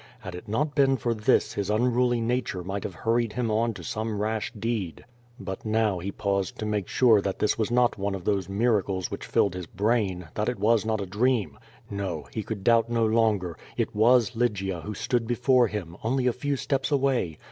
Had it not been for this his unruly nature might have hurried him on to some rash deed. But now he paused to make sure that this was not one of those miracles which filled his brain, that it was not a dream. No! he could doubt no longer. It was Lygia who stood before him, only a few steps away.